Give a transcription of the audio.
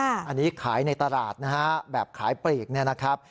อันนี้ขายในตลาดนะฮะแบบขายปลีกเนี่ยนะครับ